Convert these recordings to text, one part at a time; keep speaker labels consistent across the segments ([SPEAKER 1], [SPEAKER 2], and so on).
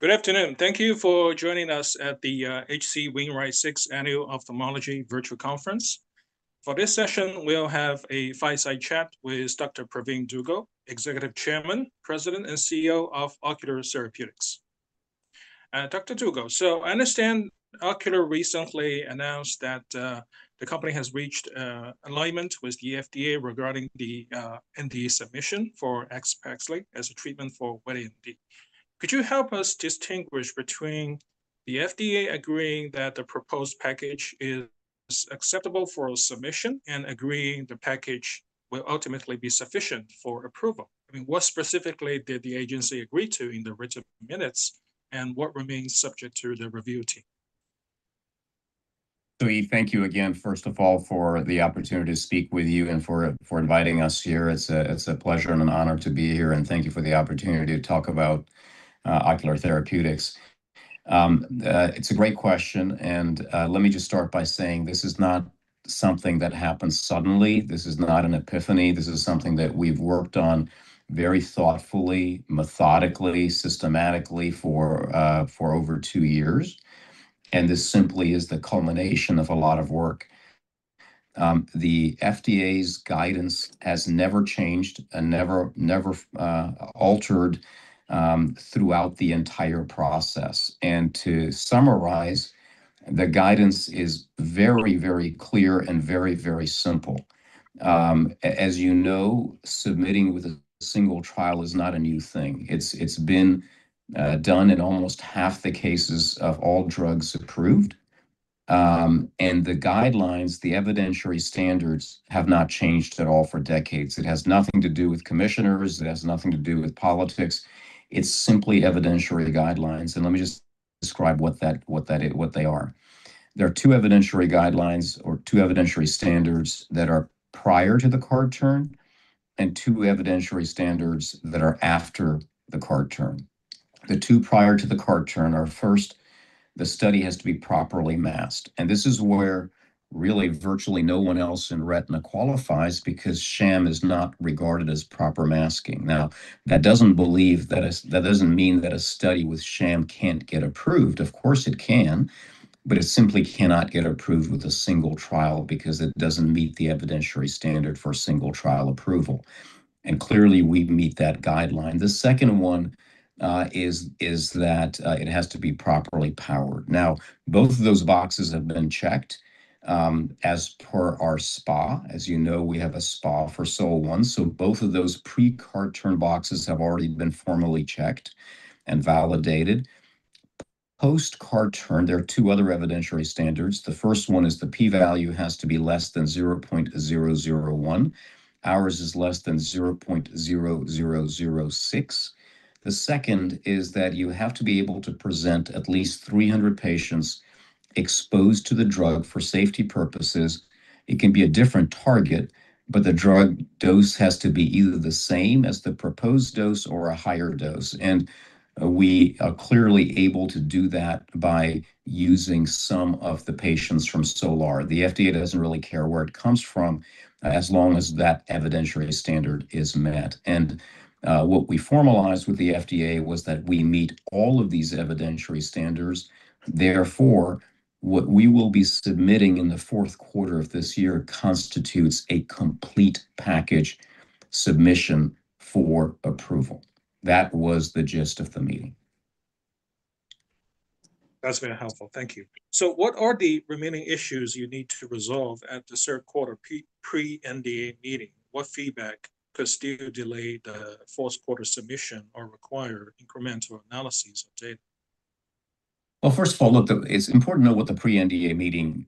[SPEAKER 1] Good afternoon. Thank you for joining us at the H.C. Wainwright 6th Annual Ophthalmology Virtual Conference. For this session, we'll have a fireside chat with Dr. Pravin Dugel, Executive Chairman, President, and CEO of Ocular Therapeutix. Dr. Dugel, I understand Ocular recently announced that the company has reached alignment with the FDA regarding the NDA submission for AXPAXLI as a treatment for wet AMD. Could you help us distinguish between the FDA agreeing that the proposed package is acceptable for submission and agreeing the package will ultimately be sufficient for approval? What specifically did the agency agree to in the written minutes, and what remains subject to the review team?
[SPEAKER 2] Yi, thank you again, first of all, for the opportunity to speak with you and for inviting us here. It's a pleasure and an honor to be here, and thank you for the opportunity to talk about Ocular Therapeutix. It's a great question. Let me just start by saying this is not something that happened suddenly. This is not an epiphany. This is something that we've worked on very thoughtfully, methodically, systematically for over two years, and this simply is the culmination of a lot of work. The FDA's guidance has never changed and never altered throughout the entire process. To summarize, the guidance is very, very clear and very, very simple. As you know, submitting with a single trial is not a new thing. It's been done in almost half the cases of all drugs approved. The guidelines, the evidentiary standards, have not changed at all for decades. It has nothing to do with commissioners. It has nothing to do with politics. It's simply evidentiary guidelines, and let me just describe what they are. There are two evidentiary guidelines or two evidentiary standards that are prior to the CART turn and two evidentiary standards that are after the CART turn. The two prior to the CART turn are, first, the study has to be properly masked. This is where really virtually no one else in retina qualifies because sham is not regarded as proper masking. Now, that doesn't mean that a study with sham can't get approved. Of course it can, but it simply cannot get approved with a single trial because it doesn't meet the evidentiary standard for single-trial approval. Clearly, we meet that guideline. The second one is that it has to be properly powered. Now, both of those boxes have been checked as per our SPA. As you know, we have a SPA for SOL-1, both of those pre-CART turn boxes have already been formally checked and validated. Post-CART turn, there are two other evidentiary standards. The first one is the P value has to be less than 0.001. Ours is less than 0.0006. The second is that you have to be able to present at least 300 patients exposed to the drug for safety purposes. It can be a different target, but the drug dose has to be either the same as the proposed dose or a higher dose. We are clearly able to do that by using some of the patients from SOL-R. The FDA doesn't really care where it comes from as long as that evidentiary standard is met. What we formalized with the FDA was that we meet all of these evidentiary standards. Therefore, what we will be submitting in the fourth quarter of this year constitutes a complete package submission for approval. That was the gist of the meeting.
[SPEAKER 1] That's been helpful. Thank you. What are the remaining issues you need to resolve at the third quarter pre-NDA meeting? What feedback could still delay the fourth quarter submission or require incremental analyses of data?
[SPEAKER 2] Well, first of all, look, it's important to know what the pre-NDA meeting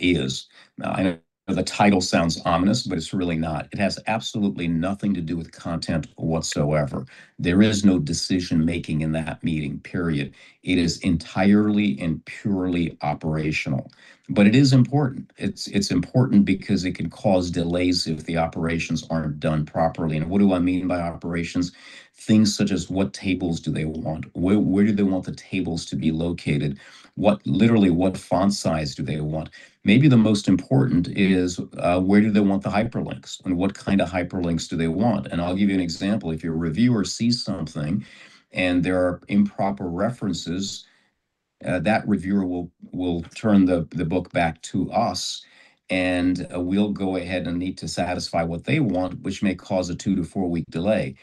[SPEAKER 2] is. I know the title sounds ominous, but it's really not. It has absolutely nothing to do with content whatsoever. There is no decision-making in that meeting, period. It is entirely and purely operational. It is important. It's important because it can cause delays if the operations aren't done properly. What do I mean by operations? Things such as what tables do they want? Where do they want the tables to be located? Literally, what font size do they want? Maybe the most important is where do they want the hyperlinks, and what kind of hyperlinks do they want? I'll give you an example. If your reviewer sees something and there are improper references, that reviewer will turn the book back to us, and we'll go ahead and need to satisfy what they want, which may cause a two to four-week delay.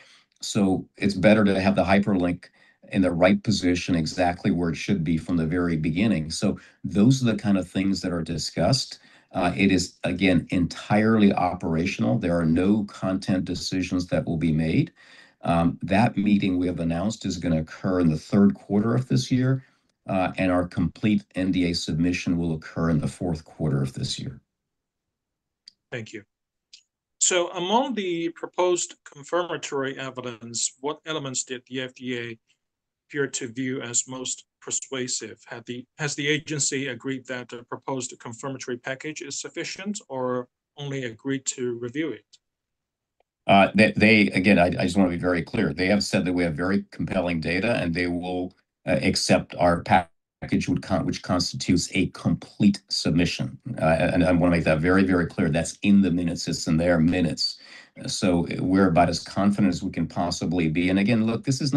[SPEAKER 2] It's better to have the hyperlink in the right position exactly where it should be from the very beginning. Those are the kind of things that are discussed. It is, again, entirely operational. There are no content decisions that will be made. That meeting we have announced is going to occur in the third quarter of this year, and our complete NDA submission will occur in the fourth quarter of this year.
[SPEAKER 1] Thank you. Among the proposed confirmatory evidence, what elements did the FDA appear to view as most persuasive? Has the agency agreed that a proposed confirmatory package is sufficient or only agreed to review it?
[SPEAKER 2] Again, I just want to be very clear. They have said that we have very compelling data, and they will accept our Package which constitutes a complete submission. I want to make that very, very clear. That's in the minutes. It's in their minutes. We're about as confident as we can possibly be. Again, look, this is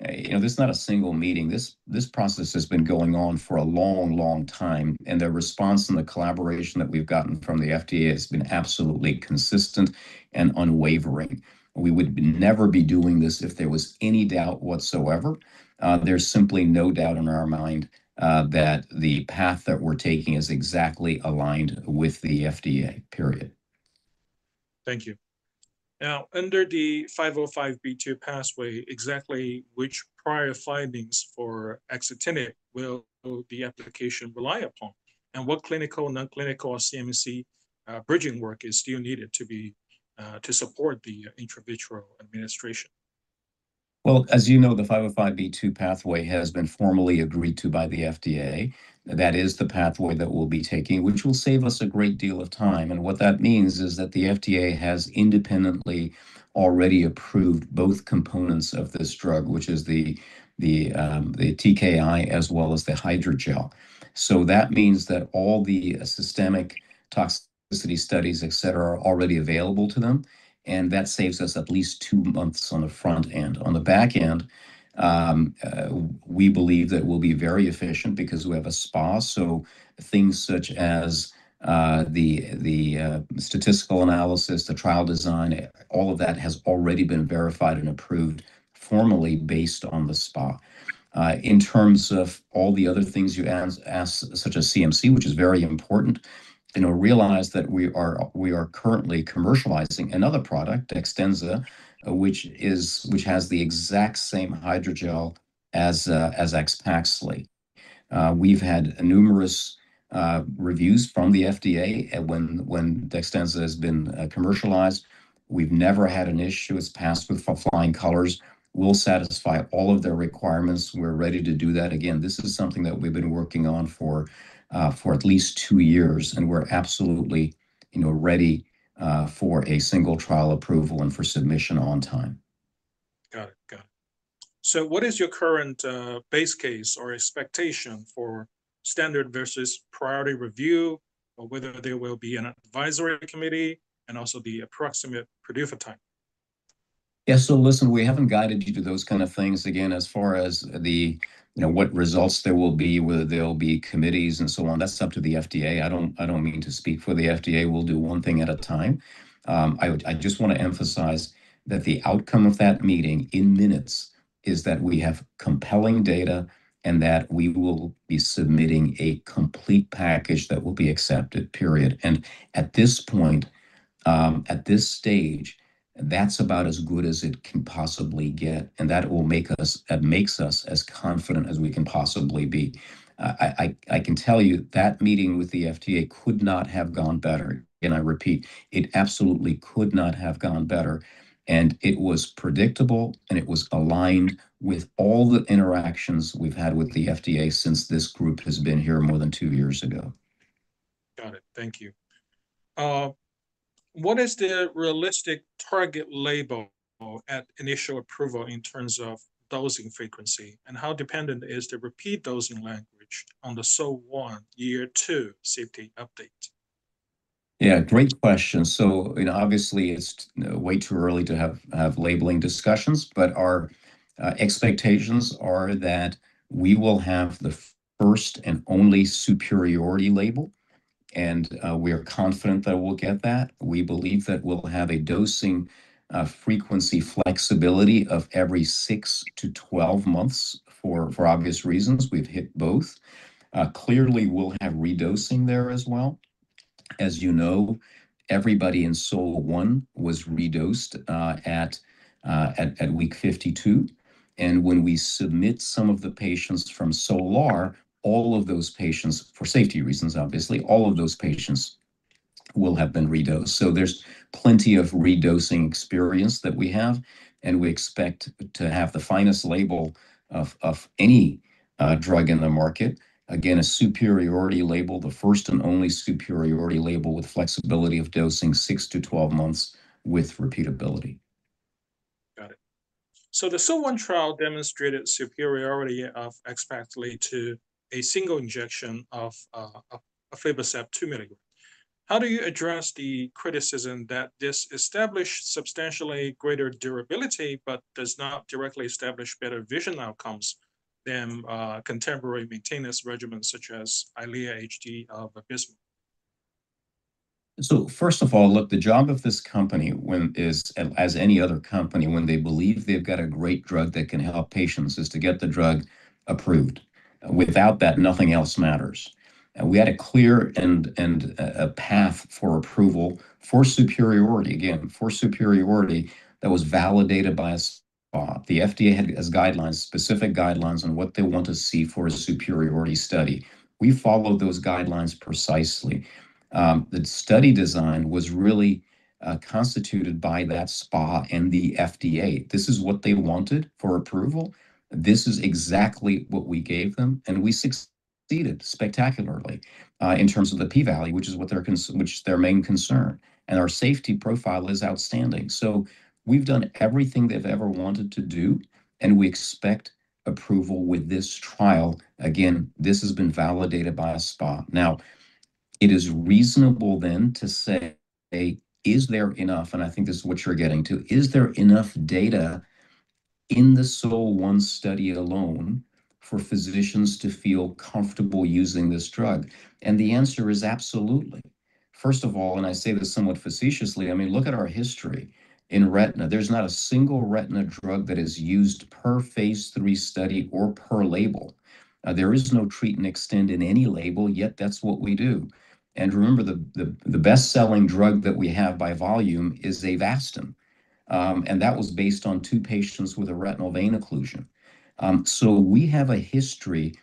[SPEAKER 2] not a single meeting. This process has been going on for a long, long time, and the response and the collaboration that we've gotten from the FDA has been absolutely consistent and unwavering. We would never be doing this if there was any doubt whatsoever. There's simply no doubt in our mind that the path that we're taking is exactly aligned with the FDA, period.
[SPEAKER 1] Thank you. Now, under the 505(b)(2) pathway, exactly which prior findings for axitinib will the application rely upon, and what clinical, non-clinical, or CMC bridging work is still needed to support the intravitreal administration?
[SPEAKER 2] Well, as you know, the 505(b)(2) pathway has been formally agreed to by the FDA. That is the pathway that we'll be taking, which will save us a great deal of time. What that means is that the FDA has independently already approved both components of this drug, which is the TKI, as well as the hydrogel. That means that all the systemic toxicity studies, et cetera, are already available to them, and that saves us at least two months on the front end. On the back end, we believe that we'll be very efficient because we have a SPA, so things such as the statistical analysis, the trial design, all of that has already been verified and approved formally based on the SPA. In terms of all the other things you asked, such as CMC, which is very important, realize that we are currently commercializing another product, Dextenza, which has the exact same hydrogel as AXPAXLI. We've had numerous reviews from the FDA when Dextenza has been commercialized. We've never had an issue. It's passed with flying colors. We'll satisfy all of their requirements. We're ready to do that. Again, this is something that we've been working on for at least two years, and we're absolutely ready for a single-trial approval and for submission on time.
[SPEAKER 1] Got it. What is your current base case or expectation for standard versus priority review, or whether there will be an advisory committee, and also the approximate review for time?
[SPEAKER 2] Yeah. Listen, we haven't guided you to those kind of things. Again, as far as what results there will be, whether there'll be committees and so on, that's up to the FDA. I don't mean to speak for the FDA. We'll do one thing at a time. I just want to emphasize that the outcome of that meeting, in minutes, is that we have compelling data and that we will be submitting a complete package that will be accepted, period. At this point, at this stage, that's about as good as it can possibly get, and that makes us as confident as we can possibly be. I can tell you that meeting with the FDA could not have gone better. I repeat, it absolutely could not have gone better. It was predictable, it was aligned with all the interactions we've had with the FDA since this group has been here more than two years ago.
[SPEAKER 1] Got it. Thank you. What is the realistic target label at initial approval in terms of dosing frequency, and how dependent is the repeat dosing language on the SOL-1 year two safety update?
[SPEAKER 2] Yeah, great question. Obviously it's way too early to have labeling discussions, but our expectations are that we will have the first and only superiority label, and we are confident that we'll get that. We believe that we'll have a dosing frequency flexibility of every 6-12 months for obvious reasons. We've hit both. Clearly, we'll have redosing there as well. As you know, everybody in SOL-1 was redosed at week 52. When we submit some of the patients from SOL-R, all of those patients, for safety reasons, obviously, all of those patients will have been redosed. There's plenty of redosing experience that we have, and we expect to have the finest label of any drug in the market. Again, a superiority label, the first and only superiority label with flexibility of dosing 6-12 months with repeatability.
[SPEAKER 1] Got it. The SOL-1 trial demonstrated superiority of AXPAXLI to a single injection of aflibercept 2 mg. How do you address the criticism that this established substantially greater durability but does not directly establish better vision outcomes than contemporary maintenance regimens such as EYLEA HD of Vabysmo?
[SPEAKER 2] First of all, look, the job of this company, as any other company, when they believe they've got a great drug that can help patients, is to get the drug approved. Without that, nothing else matters. We had a clear path for approval for superiority, again, for superiority that was validated by a SPA. The FDA has guidelines, specific guidelines on what they want to see for a superiority study. We followed those guidelines precisely. The study design was really constituted by that SPA and the FDA. This is what they wanted for approval. This is exactly what we gave them, and we exceeded spectacularly in terms of the P value, which is their main concern. Our safety profile is outstanding. We've done everything they've ever wanted to do, and we expect approval with this trial. Again, this has been validated by a SPA. It is reasonable then to say, is there enough, and I think this is what you're getting to, is there enough data in the SOL-1 study alone for physicians to feel comfortable using this drug? The answer is absolutely. First of all, and I say this somewhat facetiously, look at our history in retina. There is not a single retina drug that is used per phase III study or per label. There is no treat and extend in any label, yet that's what we do. Remember, the best-selling drug that we have by volume is Avastin, and that was based on two patients with a retinal vein occlusion. We have a history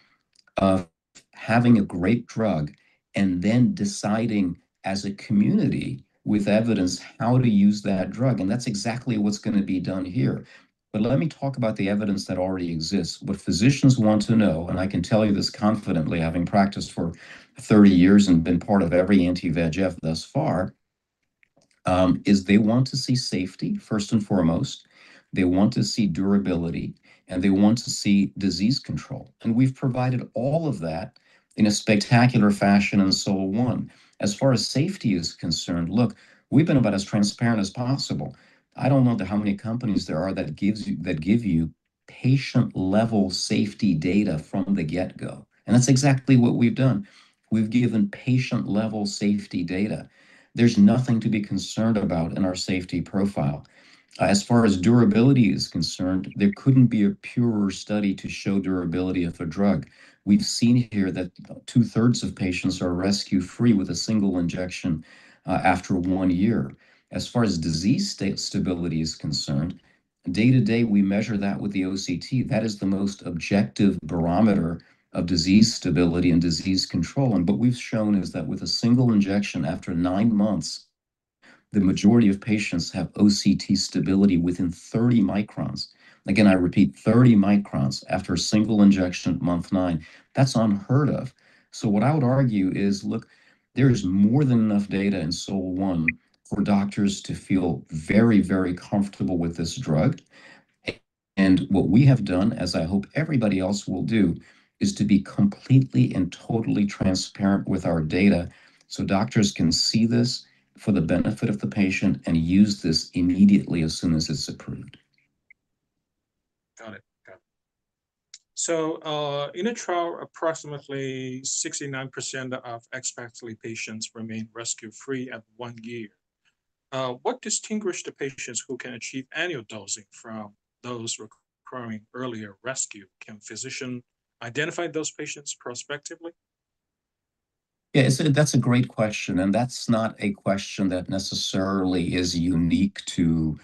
[SPEAKER 2] of having a great drug and then deciding as a community with evidence how to use that drug, and that's exactly what's going to be done here. Let me talk about the evidence that already exists. What physicians want to know, and I can tell you this confidently, having practiced for 30 years and been part of every anti-VEGF thus far, is they want to see safety first and foremost. They want to see durability, and they want to see disease control. We've provided all of that in a spectacular fashion in SOL-1. As far as safety is concerned, look, we've been about as transparent as possible. I don't know how many companies there are that give you patient-level safety data from the get-go, and that's exactly what we've done. We've given patient-level safety data. There's nothing to be concerned about in our safety profile. As far as durability is concerned, there couldn't be a purer study to show durability of a drug. We've seen here that two-thirds of patients are rescue-free with a single injection after one year. As far as disease stability is concerned, day to day, we measure that with the OCT. That is the most objective barometer of disease stability and disease control. What we've shown is that with a single injection after nine months, the majority of patients have OCT stability within 30 microns. Again, I repeat, 30 microns after a single injection at month nine. That's unheard of. What I would argue is, look, there is more than enough data in SOL-1 for doctors to feel very, very comfortable with this drug. What we have done, as I hope everybody else will do, is to be completely and totally transparent with our data so doctors can see this for the benefit of the patient and use this immediately as soon as it's approved.
[SPEAKER 1] Got it. In a trial, approximately 69% of AXPAXLI patients remain rescue-free at one year. What distinguish the patients who can achieve annual dosing from those requiring earlier rescue? Can physician identify those patients prospectively?
[SPEAKER 2] That's a great question, that's not a question that necessarily is unique to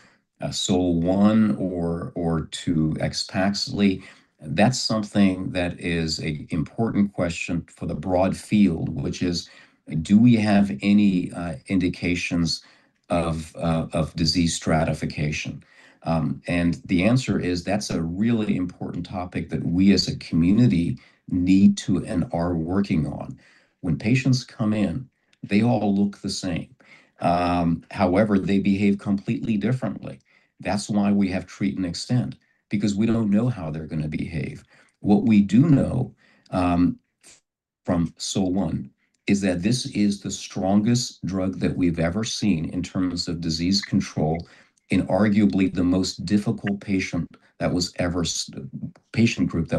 [SPEAKER 2] SOL-1 or to AXPAXLI. That's something that is an important question for the broad field, which is, do we have any indications of disease stratification? The answer is, that's a really important topic that we as a community need to and are working on. When patients come in, they all look the same. However, they behave completely differently. That's why we have treat and extend, because we don't know how they're going to behave. What we do know from SOL-1 is that this is the strongest drug that we've ever seen in terms of disease control in arguably the most difficult patient group that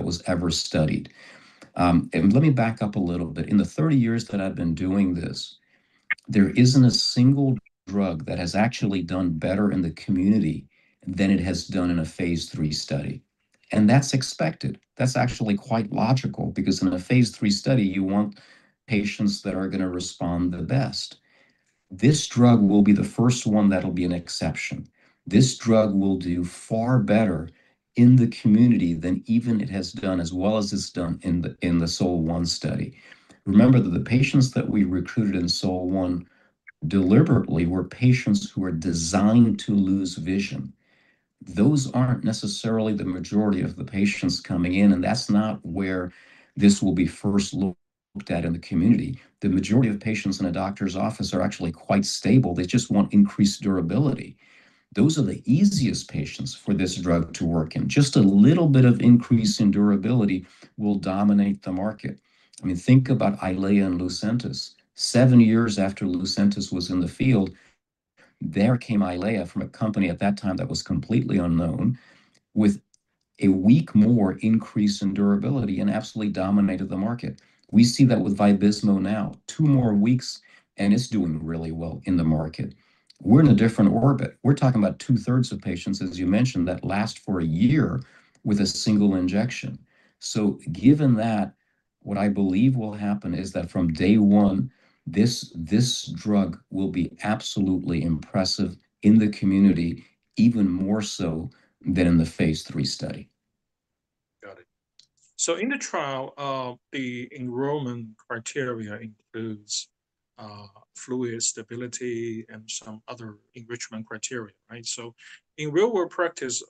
[SPEAKER 2] was ever studied. Let me back up a little bit. In the 30 years that I've been doing this, there isn't a single drug that has actually done better in the community than it has done in a phase III study. That's expected. That's actually quite logical because in a phase III study, you want patients that are going to respond the best. This drug will be the first one that'll be an exception. This drug will do far better in the community than even it has done as well as it's done in the SOL-1 study. Remember that the patients that we recruited in SOL-1 deliberately were patients who were designed to lose vision. Those aren't necessarily the majority of the patients coming in, that's not where this will be first looked at in the community. The majority of patients in a doctor's office are actually quite stable. They just want increased durability. Those are the easiest patients for this drug to work in. Just a little bit of increase in durability will dominate the market. Think about EYLEA and Lucentis. Seven years after Lucentis was in the field, there came EYLEA from a company at that time that was completely unknown with one week more increase in durability and absolutely dominated the market. We see that with Vabysmo now. Two more weeks, and it's doing really well in the market. We're in a different orbit. We're talking about two-thirds of patients, as you mentioned, that last for one year with a single injection. Given that, what I believe will happen is that from day one, this drug will be absolutely impressive in the community, even more so than in the phase III study.
[SPEAKER 1] Got it. In the trial, the enrollment criteria includes fluid stability, and some other enrichment criteria. In real-world practice,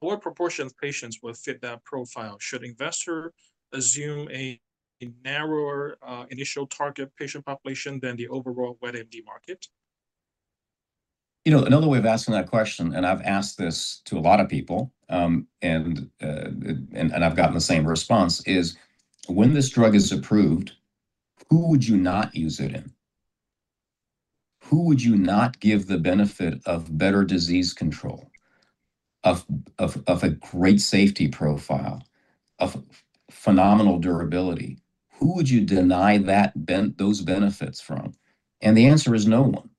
[SPEAKER 1] what proportion of patients will fit that profile? Should investor assume a narrower initial target patient population than the overall wet AMD market?
[SPEAKER 2] Another way of asking that question, I've asked this to a lot of people, and I've gotten the same response, is when this drug is approved, who would you not use it in? Who would you not give the benefit of better disease control, of a great safety profile, of phenomenal durability? Who would you deny those benefits from? The answer is no one.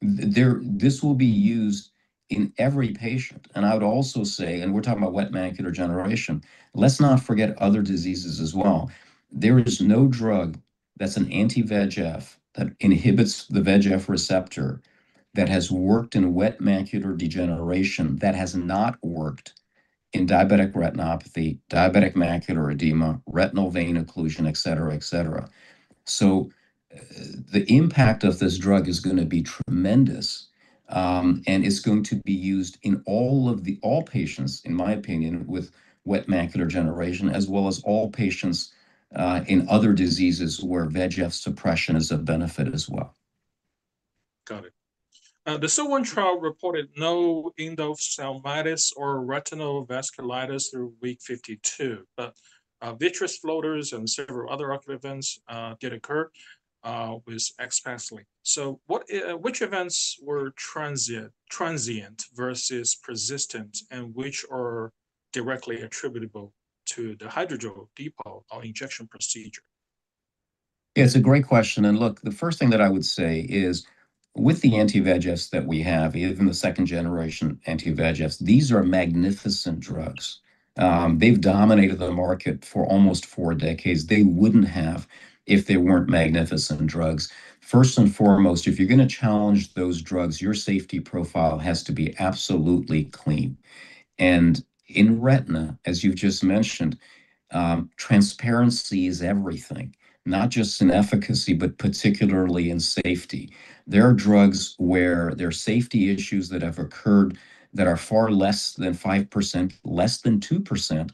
[SPEAKER 2] This will be used in every patient. I would also say, and we're talking about wet macular degeneration, let's not forget other diseases as well. There is no drug that's an anti-VEGF that inhibits the VEGF receptor that has worked in wet macular degeneration that has not worked in diabetic retinopathy, diabetic macular edema, retinal vein occlusion, et cetera. The impact of this drug is going to be tremendous, and it's going to be used in all patients, in my opinion, with wet macular degeneration, as well as all patients in other diseases where VEGF suppression is of benefit as well.
[SPEAKER 1] Got it. The SOL-1 trial reported no endophthalmitis or retinal vasculitis through week 52, but vitreous floaters and several other ocular events did occur with AXPAXLI. Which events were transient versus persistent, and which are directly attributable to the hydrogel depot or injection procedure?
[SPEAKER 2] It's a great question. Look, the first thing that I would say is with the anti-VEGFs that we have, even the second-generation anti-VEGFs, these are magnificent drugs. They've dominated the market for almost four decades. They wouldn't have if they weren't magnificent drugs. First and foremost, if you're going to challenge those drugs, your safety profile has to be absolutely clean. In retina, as you've just mentioned, transparency is everything, not just in efficacy, but particularly in safety. There are drugs where there are safety issues that have occurred that are far less than 5%, less than 2%,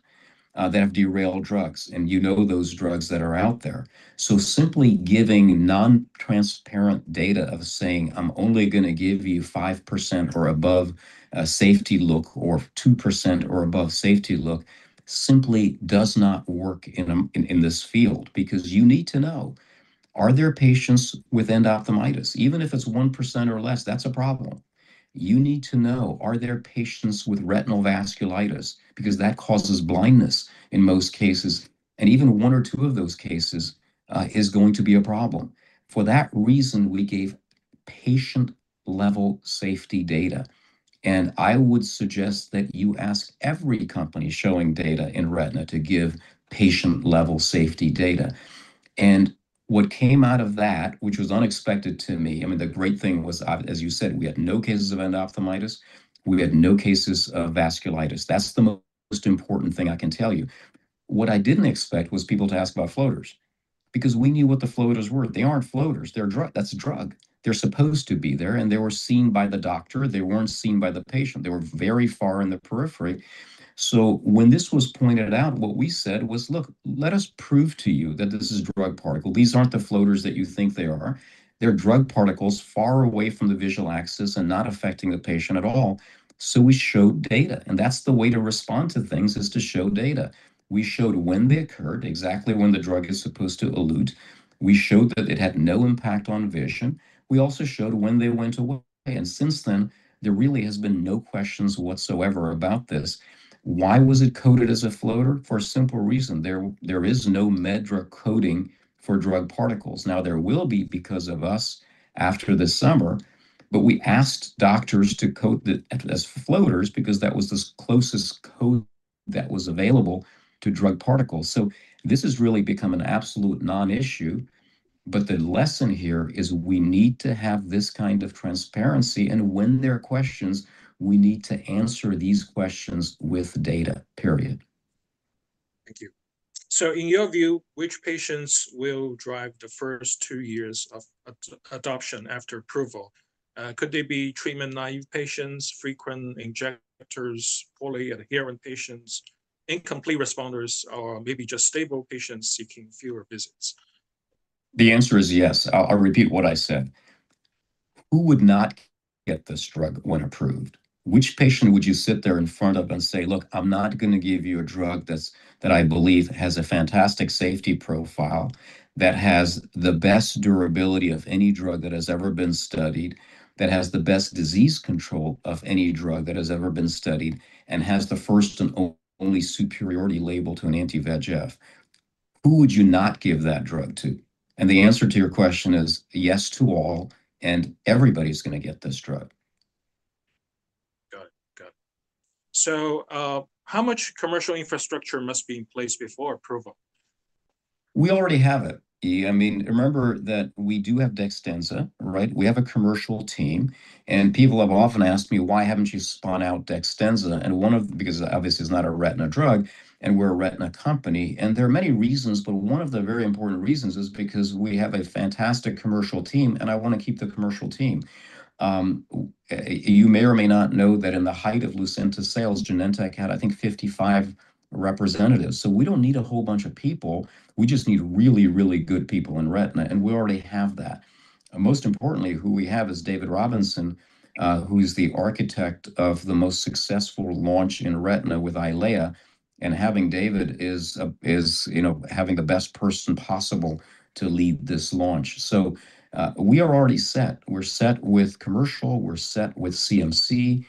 [SPEAKER 2] that have derailed drugs, and you know those drugs that are out there. Simply giving non-transparent data of saying, "I am only going to give you 5% or above a safety look, or 2% or above safety look," simply does not work in this field because you need to know, are there patients with endophthalmitis? Even if it is 1% or less, that is a problem. You need to know, are there patients with retinal vasculitis? Because that causes blindness in most cases, and even one or two of those cases is going to be a problem. For that reason, we gave patient-level safety data, and I would suggest that you ask every company showing data in retina to give patient-level safety data. What came out of that, which was unexpected to me, the great thing was, as you said, we had no cases of endophthalmitis. We had no cases of vasculitis. That is the most important thing I can tell you. What I did not expect was people to ask about floaters, because we knew what the floaters were. They are not floaters. That is drug. They are supposed to be there, and they were seen by the doctor. They were not seen by the patient. They were very far in the periphery. When this was pointed out, what we said was, "Look, let us prove to you that this is drug particle. These are not the floaters that you think they are. They are drug particles far away from the visual axis and not affecting the patient at all." We showed data, and that is the way to respond to things is to show data. We showed when they occurred, exactly when the drug is supposed to elute. We showed that it had no impact on vision. We also showed when they went away, and since then, there really has been no questions whatsoever about this. Why was it coded as a floater? For a simple reason. There is no MedDRA coding for drug particles. There will be because of us after this summer, but we asked doctors to code it as floaters because that was the closest code that was available to drug particles. This has really become an absolute non-issue. The lesson here is we need to have this kind of transparency, and when there are questions, we need to answer these questions with data, period.
[SPEAKER 1] Thank you. In your view, which patients will drive the first two years of adoption after approval? Could they be treatment-naive patients, frequent injectors, poorly adherent patients, incomplete responders, or maybe just stable patients seeking fewer visits?
[SPEAKER 2] The answer is yes. I'll repeat what I said. Who would not get this drug when approved? Which patient would you sit there in front of and say, "Look, I'm not going to give you a drug that I believe has a fantastic safety profile, that has the best durability of any drug that has ever been studied, that has the best disease control of any drug that has ever been studied, and has the first and only superiority label to an anti-VEGF." Who would you not give that drug to? The answer to your question is yes to all, everybody's going to get this drug.
[SPEAKER 1] Got it. How much commercial infrastructure must be in place before approval?
[SPEAKER 2] We already have it. Yi, remember that we do have Dextenza. We have a commercial team, people have often asked me, "Why haven't you spun out Dextenza?" Because obviously it's not a retina drug, we're a retina company. There are many reasons, one of the very important reasons is because we have a fantastic commercial team, I want to keep the commercial team. You may or may not know that in the height of Lucentis sales, Genentech had, I think, 55 representatives. We don't need a whole bunch of people, we just need really, really good people in retina, we already have that. Most importantly, who we have is David Robinson, who is the architect of the most successful launch in retina with EYLEA, having David is having the best person possible to lead this launch. We are already set. We're set with commercial, we're set with CMC.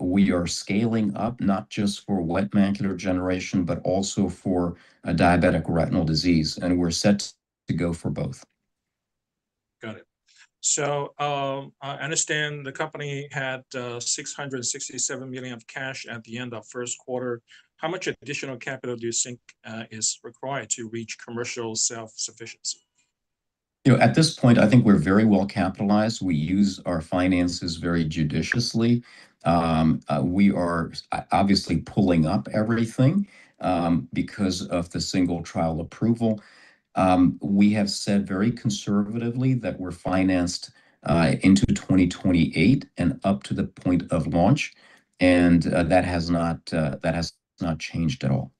[SPEAKER 2] We are scaling up not just for wet macular degeneration, but also for diabetic retinal disease. We're set to go for both.
[SPEAKER 1] Got it. I understand the company had $667 million of cash at the end of first quarter. How much additional capital do you think is required to reach commercial self-sufficiency?
[SPEAKER 2] At this point, I think we're very well capitalized. We use our finances very judiciously. We are obviously pulling up everything because of the single trial approval. We have said very conservatively that we're financed into 2028 and up to the point of launch, that has not changed at all.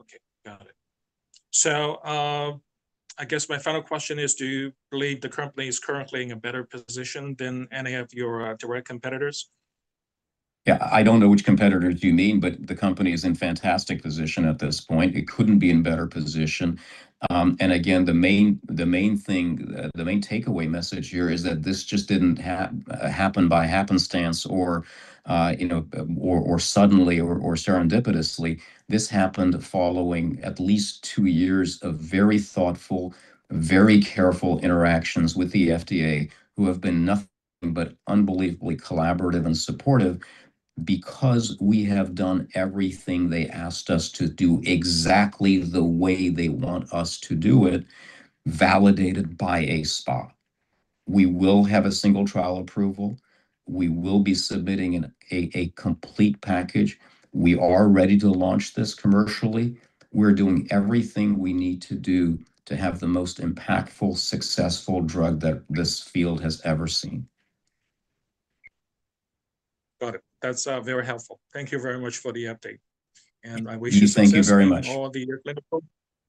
[SPEAKER 1] Okay. Got it. I guess my final question is, do you believe the company is currently in a better position than any of your direct competitors?
[SPEAKER 2] Yeah. I don't know which competitors you mean, the company is in fantastic position at this point. It couldn't be in better position. Again, the main takeaway message here is that this just didn't happen by happenstance or suddenly or serendipitously. This happened following at least two years of very thoughtful, very careful interactions with the FDA, who have been nothing but unbelievably collaborative and supportive because we have done everything they asked us to do exactly the way they want us to do it, validated by a SPA. We will have a single trial approval. We will be submitting a complete package. We are ready to launch this commercially. We're doing everything we need to do to have the most impactful, successful drug that this field has ever seen.
[SPEAKER 1] Got it. That's very helpful. Thank you very much for the update, and I wish you-
[SPEAKER 2] Yi, thank you very much
[SPEAKER 1] success in all the clinical,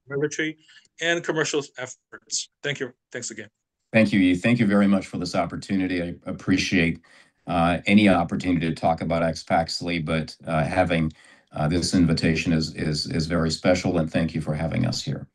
[SPEAKER 1] regulatory, and commercial efforts. Thank you. Thanks again.
[SPEAKER 2] Thank you, Yi. Thank you very much for this opportunity. I appreciate any opportunity to talk about AXPAXLI, but having this invitation is very special, and thank you for having us here.
[SPEAKER 1] Thank you